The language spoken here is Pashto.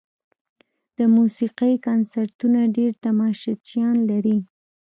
د موسیقۍ کنسرتونه ډېر تماشچیان لري.